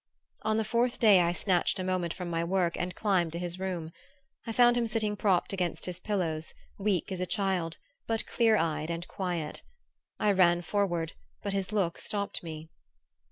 On the fourth day I snatched a moment from my work and climbed to his room. I found him sitting propped against his pillows, weak as a child but clear eyed and quiet. I ran forward, but his look stopped me.